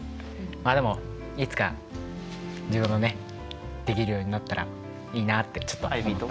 まあでもいつか自分もねできるようになったらいいなあってちょっとアイビーと。